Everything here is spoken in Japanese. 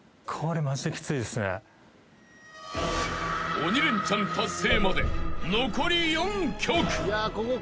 ［鬼レンチャン達成まで残り４曲］